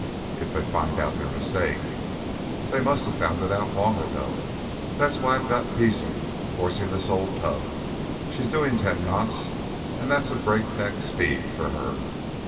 "If they find out their mistake." "They must have found it out long ago. That's why I've got Peasley forcing this old tub; she's doing ten knots, and that's a breakneck speed for her.